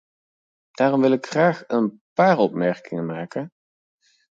Daarom wil ik graag een paar opmerkingen maken.